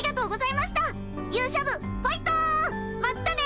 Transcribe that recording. まったね！